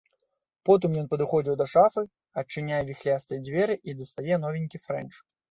Потым ён падыходзіць да шафы, адчыняе віхлястыя дзверы і дастае новенькі фрэнч.